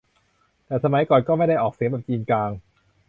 แต่สมัยก่อนก็ไม่ได้ออกเสียงแบบจีนกลาง